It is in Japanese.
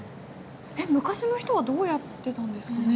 昔の人はどうやってたんですかね？